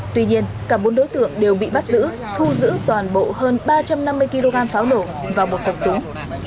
tuy nhiên cả bốn đối tượng đều bị bắt giữ thu giữ toàn bộ hơn ba trăm năm mươi kg pháo nổ vào một hộp súng